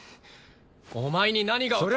お前に何が！